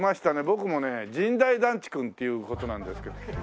僕もね神代団地くんっていう事なんですけど。